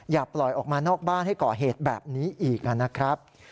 อย่าปล่อยออกมานอกบ้านให้ก่อเหตุแบบนี้อีกนะครับ